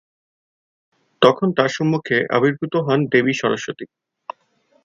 তখন তার সম্মুখে আবির্ভূত হন দেবী সরস্বতী।